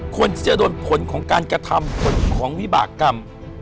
คนที่จะโดนผลของการกระทำผลของวิบากรรม